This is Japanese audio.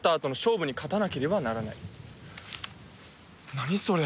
何それ？